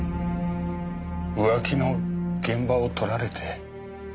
浮気の現場を撮られて仕方なく。